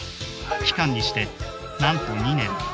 期間にしてなんと２年。